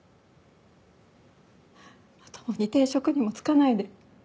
まともに定職にも就かないで。